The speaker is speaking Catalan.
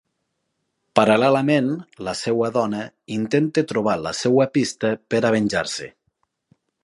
Paral·lelament, la seva dona intenta trobar la seva pista per a venjar-se.